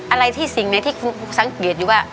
อะไรที่สิ่งไหนที่กูสังเกตอยู่ว่า